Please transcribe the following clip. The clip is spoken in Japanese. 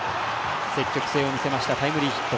積極性を見せましたタイムリーヒット。